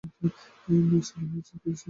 শালা, হয়েছেটা কী আমাদের দেশের?